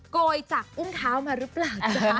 โกยจากอุ้งเท้ามาหรือเปล่าจ๊ะ